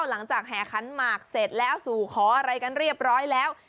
แห่ขันหมากเสร็จแล้วสู่ขออะไรกันเรียบร้อยแล้ว